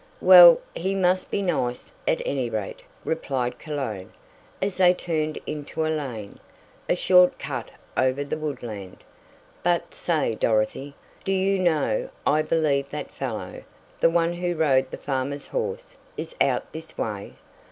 "Well, he must be nice, at any rate," replied Cologne, as they turned into a lane, a short cut over the woodland. "But, say, Dorothy, do you know I believe that fellow the one who rode the farmer's horse is out this way?